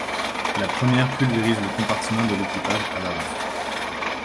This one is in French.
La première pulvérise le compartiment de l'équipage à l'avant.